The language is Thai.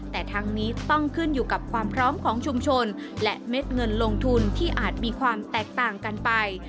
แต่ทั้งนี้ต้องขึ้นอยู่กับความพร้อมของชุมชนและเม็ดเงินลงทุนที่อาจมีความแตกต่างกันไป